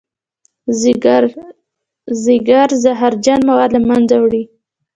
ځیګر زهرجن مواد له منځه وړي